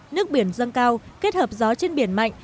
nước biển dâng cao kết hợp gió trên biển mạnh